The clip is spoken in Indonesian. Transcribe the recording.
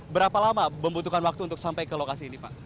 berapa lama membutuhkan waktu untuk sampai ke lokasi ini pak